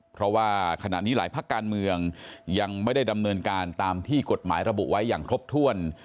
เพราะว่าขณะนี้หลายภาคการเมืองยังไม่ได้ดำเนินการตามที่กฎหมายระบุไว้อย่างครบถ้วน